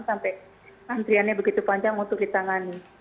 sampai antriannya begitu panjang untuk ditangani